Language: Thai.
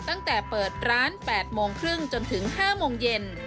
ตั้งแต่เปิดร้าน๘โมงครึ่งจนถึง๕โมงเย็น